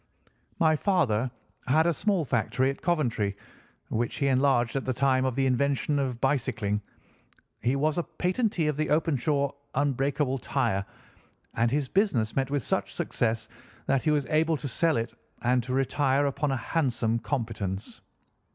My father had a small factory at Coventry, which he enlarged at the time of the invention of bicycling. He was a patentee of the Openshaw unbreakable tire, and his business met with such success that he was able to sell it and to retire upon a handsome competence.